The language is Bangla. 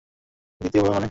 দ্বিতীয় বাবা মানে?